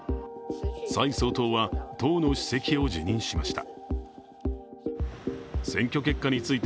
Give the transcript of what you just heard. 蔡総統は党の主席を辞任しました。